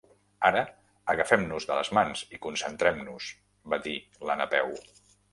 Ara, agafem-nos de les mans i concentrem-nos —va dir la Napeu—.